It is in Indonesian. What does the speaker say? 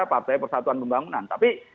partai persatuan pembangunan tapi